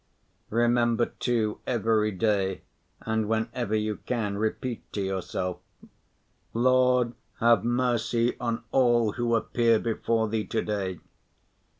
Remember, too, every day, and whenever you can, repeat to yourself, "Lord, have mercy on all who appear before Thee to‐day."